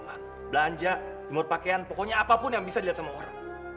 wah belanja nomor pakaian pokoknya apapun yang bisa dilihat sama orang